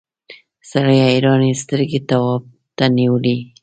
سړي حیرانې سترګې تواب ته نیولې.